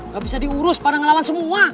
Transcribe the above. gak bisa diurus pada ngelawan semua